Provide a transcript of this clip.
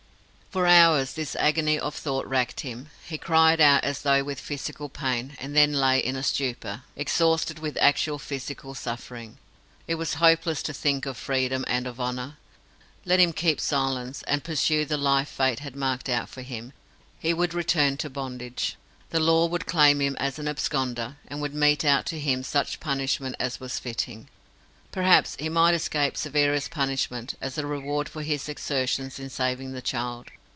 For hours this agony of thought racked him. He cried out as though with physical pain, and then lay in a stupor, exhausted with actual physical suffering. It was hopeless to think of freedom and of honour. Let him keep silence, and pursue the life fate had marked out for him. He would return to bondage. The law would claim him as an absconder, and would mete out to him such punishment as was fitting. Perhaps he might escape severest punishment, as a reward for his exertions in saving the child.